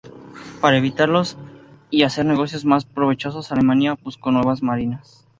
Para evitarlos y hacer negocios más provechosos, Alemania buscó nuevas marinas.